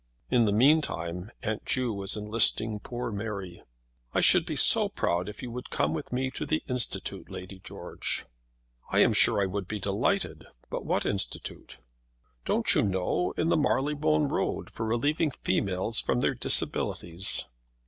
In the meantime Aunt Ju was enlisting poor Mary. "I should be so proud if you would come with me to the Institute, Lady George." "I am sure I should be delighted. But what Institute?" "Don't you know? in the Marylebone Road, for relieving females from their disabilities."